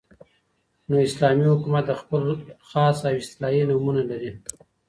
، نو اسلامي حكومت هم خپل خاص او اصطلاحي نومونه لري